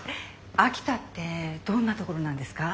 秋田ってどんなところなんですか？